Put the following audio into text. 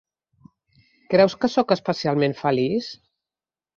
Creus que sóc especialment feliç?